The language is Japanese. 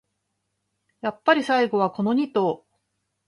やっぱり最後はこのニ頭